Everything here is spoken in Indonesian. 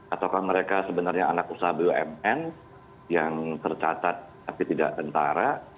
ataukah mereka sebenarnya anak usaha bumn yang tercatat tapi tidak tentara